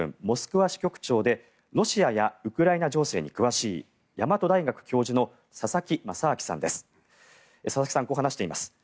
モスクワ支局長でロシアやウクライナ情勢に詳しい大和大学教授の佐々木正明さんです。